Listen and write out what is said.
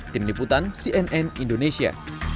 tim liputan cnn indonesia